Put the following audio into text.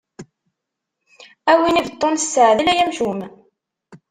A win ibeṭṭun, ssaɛdel ay amcum!